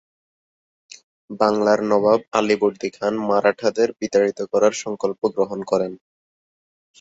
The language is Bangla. বাংলার নবাব আলীবর্দী খান মারাঠাদের বিতাড়িত করার সংকল্প গ্রহণ করেন।